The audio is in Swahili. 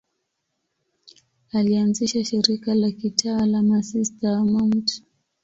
Alianzisha shirika la kitawa la Masista wa Mt.